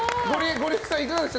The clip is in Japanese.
ゴリエさん、いかがでした？